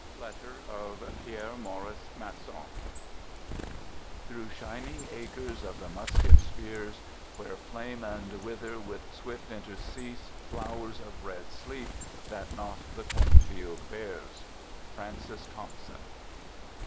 {Letter of Pierre Maurice Masson) Through shining acres of the musket spears — Where flame and wither with swift intercease Flowers of red sleep that not the cornfield bears —— Francis Thompson.